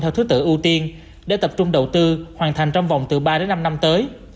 theo thứ tự ưu tiên để tập trung đầu tư hoàn thành trong vòng từ ba đến năm năm tới